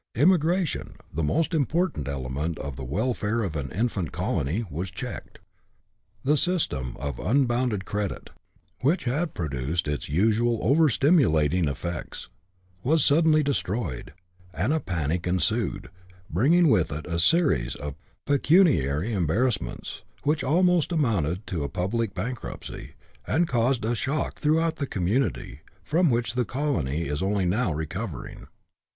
Immi gration, the most important element of the welfare of an infant colony, was checked. The system of unbounded credit, which had produced its usual over stimulating eflfects, was suddenly destroyed ; and a panic ensued, bringing with it a series of pecu niary embarrassments, which almost amounted to a public bank ruptcy, and caused a shock throughout the community, from which the colony is only now recovering.